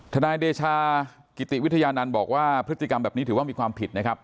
นายเดชากิติวิทยานันต์บอกว่าพฤติกรรมแบบนี้ถือว่ามีความผิดนะครับ